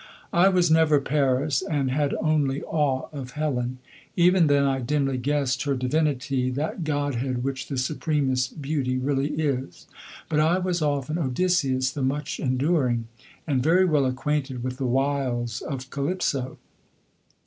I was never Paris, and had only awe of Helen. Even then I dimly guessed her divinity, that godhead which the supremest beauty really is. But I was often Odysseus the much enduring, and very well acquainted with the wiles of Calypso.